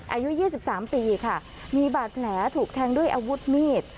อายุ๒๓ปีค่ะมีบาดแผลถูกแทงด้วยอาวุธมีด